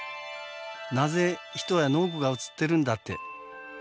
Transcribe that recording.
「なぜ人や農具が写ってるんだ」って。